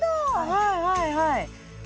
はいはいはい。